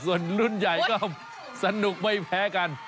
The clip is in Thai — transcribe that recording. ส่วนรุ่นใหญ่ก็สนุกไม่แพ้กัน